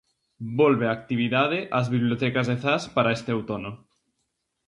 Volve a actividade ás bibliotecas de Zas para este outono.